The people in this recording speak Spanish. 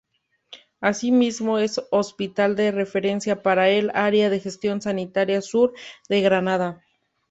Asimismo, es hospital de referencia para el "Área de Gestión Sanitaria Sur de Granada".